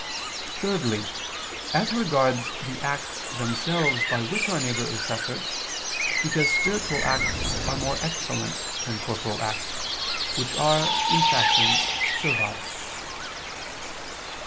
Thirdly, as regards the acts themselves by which our neighbor is succored, because spiritual acts are more excellent than corporal acts, which are, in a fashion, servile.